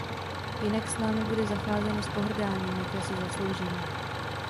Jinak s námi bude zacházeno s pohrdáním, jaké si zasloužíme.